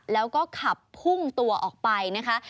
แล้วก็ขับพุ่งตัวออกไปนะคะ